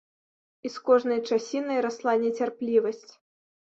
І з кожнай часінай расла нецярплівасць.